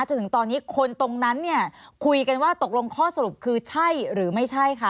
จนถึงตอนนี้คนตรงนั้นเนี่ยคุยกันว่าตกลงข้อสรุปคือใช่หรือไม่ใช่ค่ะ